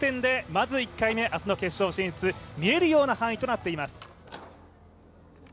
まず１回目、明日の決勝進出見える範囲となっています。